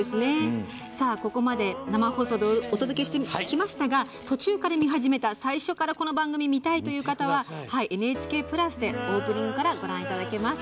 ここまで生放送でお届けしてきましたが途中から見始めた最初からこの番組見たいという方はＮＨＫプラスでオープニングからご覧いただけます。